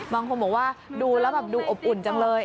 บางคนบอกว่าดูแล้วแบบดูอบอุ่นจังเลย